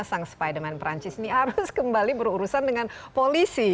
sang spideman perancis ini harus kembali berurusan dengan polisi